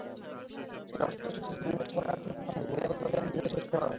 চলচ্চিত্রসংশ্লিষ্ট বিভিন্ন সংগঠনের কর্মীদের পাশাপাশি বহিরাগত লোকজনের ভিড়ও ছিল চোখে পড়ার মতো।